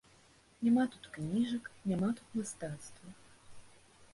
Няма тут кніжак, няма тут мастацтва.